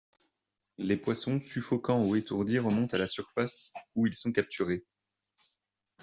Les poissons, suffoquant ou étourdis, remontent à la surface où ils sont capturés.